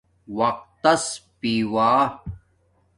وقتس پیوہ